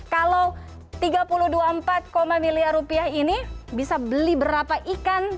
kalau tiga puluh dua puluh empat miliar rupiah ini bisa beli berapa ikan